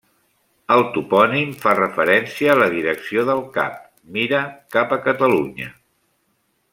El topònim fa referència a la direcció del cap: mira cap a Catalunya.